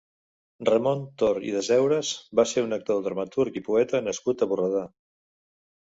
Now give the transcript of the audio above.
Ramon Tor i Deseures va ser un actor, dramaturg i poeta nascut a Borredà.